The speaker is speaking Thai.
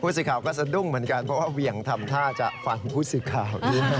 พูดสีขาวก็จะดุ้งเหมือนกันเพราะว่าเหวี่ยงทำท่าจะฟังพูดสีขาว